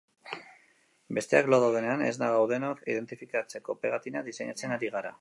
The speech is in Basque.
Besteak lo daudenean esna gaudenok identifikatzeko pegatinak diseinatzen ari gara.